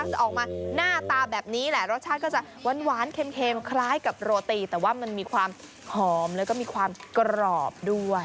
จะออกมาหน้าตาแบบนี้แหละรสชาติก็จะหวานเค็มคล้ายกับโรตีแต่ว่ามันมีความหอมแล้วก็มีความกรอบด้วย